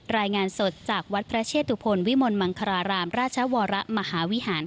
รายงานสดจากวัดพระเชตุพลวิมลมังครารามราชวรมหาวิหาร